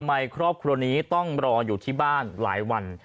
ครอบครัวนี้ต้องรออยู่ที่บ้านหลายวัน